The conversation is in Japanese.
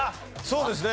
そうですね。